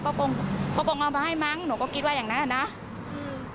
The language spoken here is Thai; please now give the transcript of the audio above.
ก็คงก็คงเอามาให้มั้งหนูก็คิดว่าอย่างนั้นอ่ะนะอืม